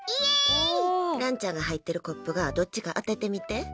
蘭ちゃんが入ってるコップがどっちか当ててみて。